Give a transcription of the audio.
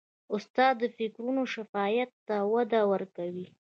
استاد د فکرونو شفافیت ته وده ورکوي.